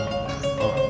sedangkan those leadership